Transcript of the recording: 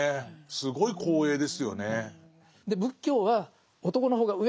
すごい光栄ですよね。